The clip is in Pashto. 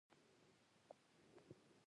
نو وګڼه چې ملي تعهُد هم بېرته تکمیل شوی دی.